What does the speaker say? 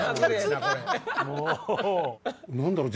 何だろう？